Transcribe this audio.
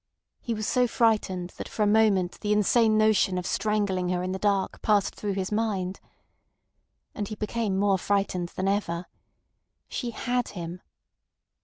He was so frightened that for a moment the insane notion of strangling her in the dark passed through his mind. And he became more frightened than ever! She had him!